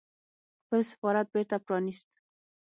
خپل سفارت بېرته پرانيست